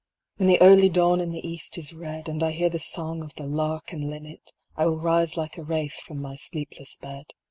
When the early dawn in the east is red, And I hear the song of the lark and linnet, I will rise like a wraith from my sleepless bed.